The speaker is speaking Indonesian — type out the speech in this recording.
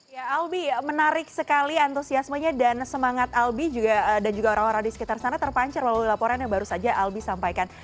ya albi menarik sekali antusiasmenya dan semangat albi dan juga orang orang di sekitar sana terpancar melalui laporan yang baru saja albi sampaikan